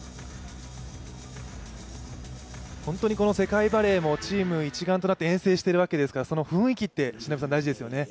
本当に世界バレーもチーム一丸となって遠征しているわけですから、雰囲気って大事ですよね。